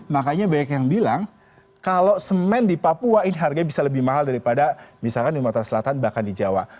makanya banyak yang bilang kalau semen di papua ini harganya bisa lebih mahal daripada misalkan di sumatera selatan bahkan di jawa